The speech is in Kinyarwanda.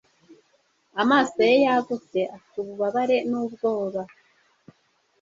Amaso ye yagutse afite ububabare n'ubwoba